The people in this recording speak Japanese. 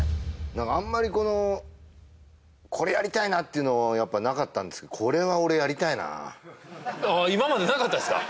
何かあんまりこのこれやりたいなっていうのなかったんですけどこれは俺やりたいなあっ今までなかったですか？